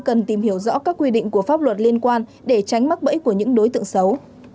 cần tìm hiểu rõ các quy định của pháp luật liên quan để tránh mắc bẫy của những đối tượng xấu